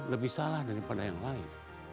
lebih salah daripada yang lain